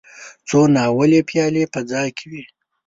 څو ناولې پيالې په ځای وې.